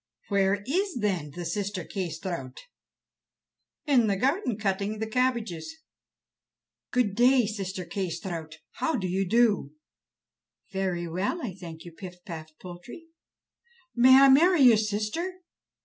"Where is, then, the sister Kâsetraut?" "In the garden, cutting the cabbages." "Good day, sister Kâsetraut. How do you do?" "Very well, I thank you, Pif paf Poltrie." "May I marry your sister?"